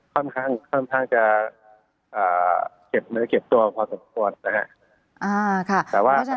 ค่อนข้างจะเจ็บเนื้อเจ็บตัวพอสมควรนะฮะ